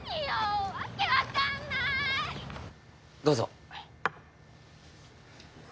どうぞ。